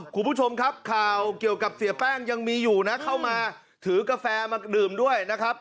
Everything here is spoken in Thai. คุณผู้ชมครับข่าวเกี่ยวกับเสียแป้งยังมีอยู่นะเข้ามาถือกาแฟมาดื่มด้วยนะครับ